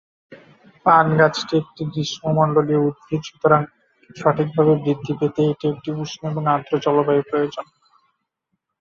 পান গাছটি একটি গ্রীষ্মমন্ডলীয় উদ্ভিদ, সুতরাং সঠিকভাবে বৃদ্ধি পেতে এটি একটি উষ্ণ এবং আর্দ্র জলবায়ু প্রয়োজন।